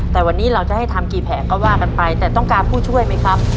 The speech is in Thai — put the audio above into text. แต่วันนี้เราจะให้ทำกี่แผงก็ว่ากันไปแต่ต้องการผู้ช่วยไหมครับ